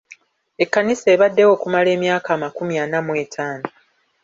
Ekkanisa ebaddewo okumala emyaka amakumi ana mu etaano.